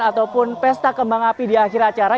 ataupun pesta kembang api di akhir acara